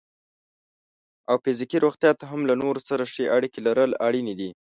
او فزیکي روغتیا ته هم له نورو سره ښې اړیکې لرل اړینې دي.